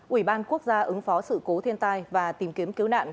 ủy ban quốc gia ứng phó sự cố thiên tai và tìm kiếm cứu nạn